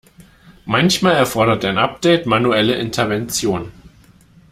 Manchmal erfordert ein Update manuelle Intervention.